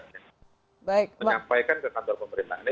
menyampaikan ke kantor pemerintah